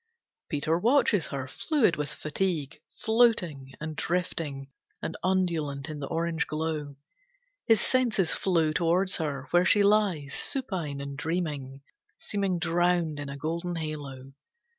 Peter watches her, fluid with fatigue, floating, and drifting, and undulant in the orange glow. His senses flow towards her, where she lies supine and dreaming. Seeming drowned in a golden halo.